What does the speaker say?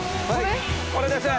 これです。